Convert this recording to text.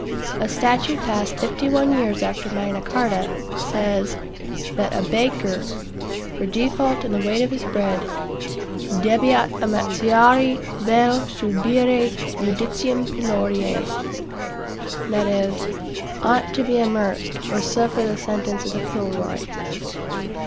A statute passed fifty one years after Magna Carta, says that a baker, for default in the weight of his bread, "debeat amerciari vel subire judicium pilloae," that is, "ought to be amerced, or suffer the sentence of the pillory."